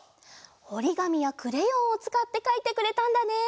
おりがみやクレヨンをつかってかいてくれたんだね。